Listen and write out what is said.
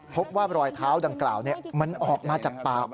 พบว่ารอยเท้าดังกล่าวมันออกมาจากปาก